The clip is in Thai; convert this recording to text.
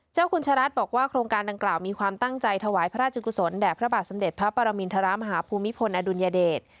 เจ้าคุณชะรัฐบอกว่าโครงการดังกล่าวมีความตั้งใจถวายพระราชกุศลแด่พระบาทสมเด็จพระปรมินทรมาฮภูมิพลอดุลยเดช